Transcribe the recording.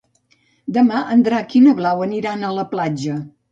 Demà en Drac i na Blau aniran a la platja.